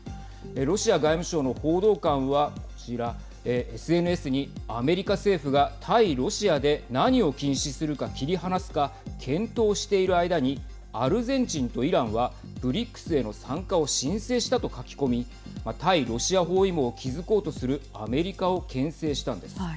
ロシア外務省の報道官はこちら、ＳＮＳにアメリカ政府が対ロシアで何を禁止するか、切り離すか検討している間にアルゼンチンとイランはＢＲＩＣＳへの参加を申請したと書き込み対ロシア包囲網を築こうとするアメリカをけん制したんです。